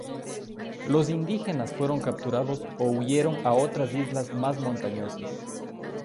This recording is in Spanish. Los indígenas fueron capturados o huyeron a otras islas más montañosas.